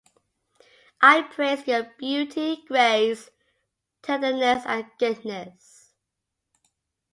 I praise your beauty, grace, tenderness, and goodness,